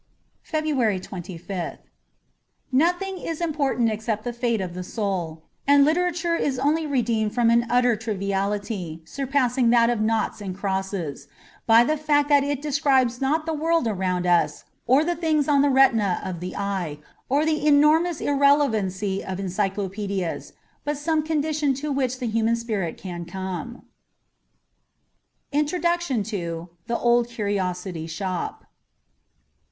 ^ 60 FEBRUARY 25th NOTHING is important except the fate of the soul ; and literature is only redeemed from an utter triviality, surpassing that of naughts and crosses, by the fact that it describes not the world around us, or the things on the retina of the eye, or the enormous irrelevancy of encyclopsedias, but some condition to which the human spirit can come. Introduction to ' The Old Curiosity Shop.''